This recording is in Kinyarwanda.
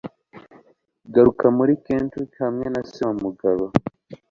Garuka muri Kentucky hamwe na se wamugabo.